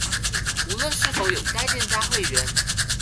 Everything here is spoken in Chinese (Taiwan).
無論是否有該店家會員